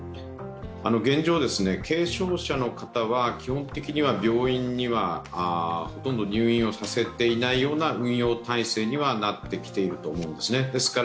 現状、軽症者の方は基本的には病院にはほとんど入院をさせていないような運用体制にはなってきているとは思うんですね。